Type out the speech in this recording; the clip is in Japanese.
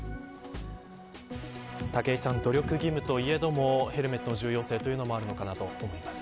武井さん、努力義務といえどもヘルメットの重要性というのもあるのかなと思います。